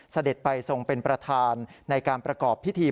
เสด็จไปทรงเป็นประธานในการประกอบพิธี